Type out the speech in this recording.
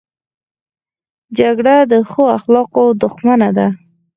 جګړه د ښو اخلاقو دښمنه ده